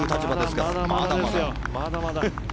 まだまだ。